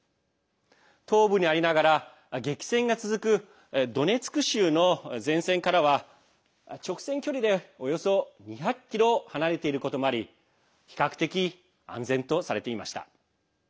東部にありながら、激戦が続くドネツク州の前線からは直線距離で、およそ２００ｋｍ離れていることもあり比較的、安全とされていました。